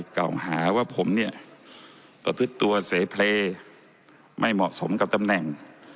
เค่าหาว่าผมเนี้ยก็พึทธัวเสพเลไม่เหมาะสมกับตำแหน่ง